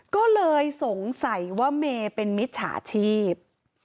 ก็เลยสงสัยว่าเมย์เป็นมิจฉาชีพ